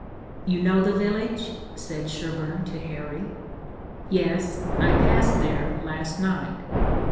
"You know the village?" said Sherburne to Harry. "Yes, I passed there last night."